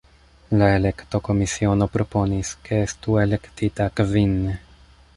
La elektokomisiono proponis, ke estu elektita kvin.